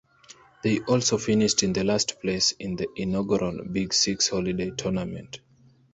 They also finished in last place in the inaugural Big Six Holiday Tournament.